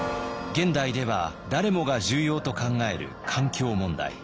現代では誰もが重要と考える環境問題。